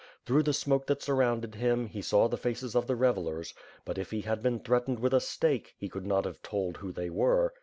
Through the smoke that surrounded him, he saw the faces of the revellers; but, if he had been threatened with a stake, hr could not have told who they were.